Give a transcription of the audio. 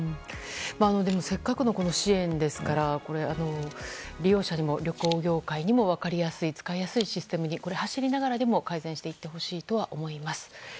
せっかくの支援ですから利用者にも旅行業界にも使いやすいシステムに走りながらでも改善していってほしいと思います。